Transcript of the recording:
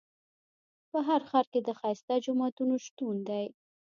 په هر ښار کې د ښایسته جوماتونو شتون دی.